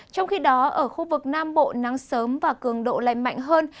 trong khi đó ở khu vực nam bộ nắng sớm và cường độ lành mạnh hơn